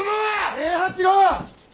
平八郎！